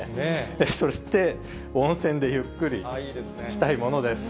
そして、温泉でゆっくりしたいものです。